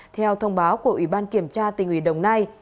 theo thông báo của ủy ban kiểm tra tỉnh ủy đồng nai